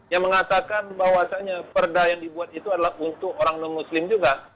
yang mengatakan bahwasannya perda yang dibuat itu adalah untuk orang non muslim juga